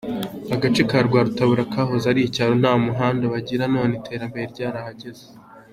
Agace ka Rwarutabura kahoze ari icyaro nta n'umuhanda bagira none iterambere ryarahageze.